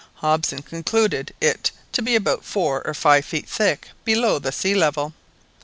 Hobson concluded it to be about four or five feet thick below the sea level.